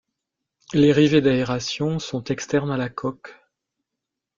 Les rivets d'aérations sont externes à la coque.